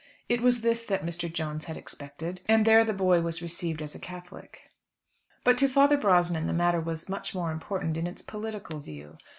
It was this that Mr. Jones had expected, and there the boy was received as a Catholic. But to Father Brosnan the matter was much more important in its political view.